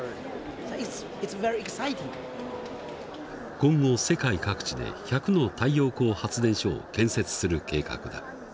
今後世界各地で１００の太陽光発電所を建設する計画だ。